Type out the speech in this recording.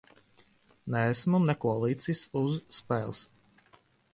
Neesmu neko licis uz spēles.